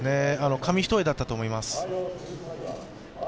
紙一重だったと思います。